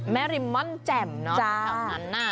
ริมม่อนแจ่มเนอะแถวนั้นน่ะ